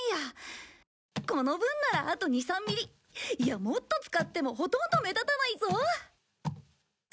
この分ならあと２３ミリいやもっと使ってもほとんど目立たないぞ。